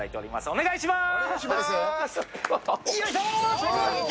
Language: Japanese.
お願いします。